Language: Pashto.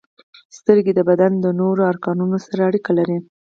• سترګې د بدن د نورو ارګانونو سره اړیکه لري.